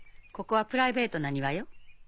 ここはプライベートな庭よ。